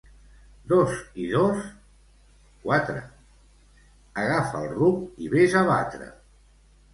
—Dos i dos? —Quatre. —Agafa el ruc i ves a batre.